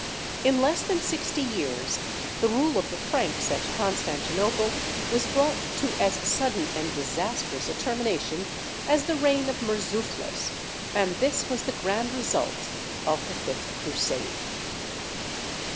In less than sixty years the rule of the Franks at Constantinople was brought to as sudden and disastrous a termination as the reign of Murzuphlis: and this was the grand result of the fifth Crusade.